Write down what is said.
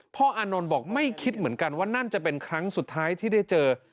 อานนท์บอกไม่คิดเหมือนกันว่านั่นจะเป็นครั้งสุดท้ายที่ได้เจอ